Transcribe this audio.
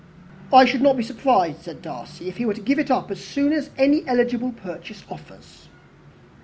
"I should not be surprised," said Darcy, "if he were to give it up as soon as any eligible purchase offers."